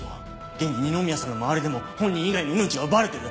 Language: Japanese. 現に二宮さんの周りでも本人以外の命が奪われてる。